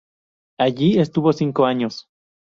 Allí estuvo cinco años.